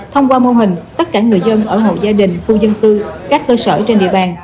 thông qua mô hình tất cả người dân ở hộ gia đình khu dân cư các cơ sở trên địa bàn